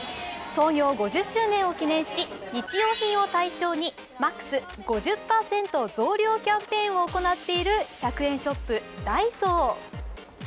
創業５０周年を記念し日用品を対象にＭＡＸ５０％増量キャンペーンを行っている１００円ショップ・ダイソー。